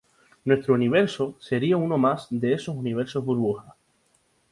Nuestro universo sería uno más de esos Universos burbuja.